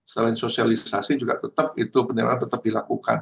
selain sosialisasi juga tetap itu penyerangan tetap dilakukan